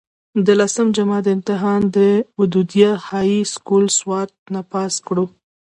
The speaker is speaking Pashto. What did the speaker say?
د لسم جمات امتحان د ودوديه هائي سکول سوات نه پاس کړو